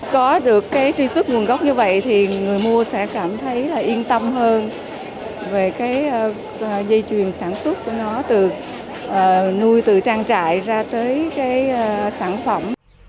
có được truy xuất nguồn gốc như vậy thì người mua sẽ cảm thấy yên tâm hơn về dây chuyền sản xuất của nó nuôi từ trang trại ra tới sản phẩm